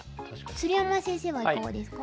鶴山先生はいかがですか？